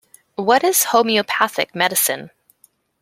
What is homeopathic medicine?